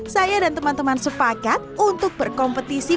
saya dan teman teman sepakat untuk berkompetisi